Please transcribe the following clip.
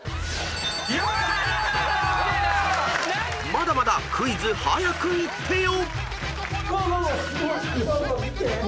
［まだまだ『クイズ！早くイッてよ』］